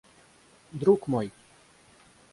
Друг мой!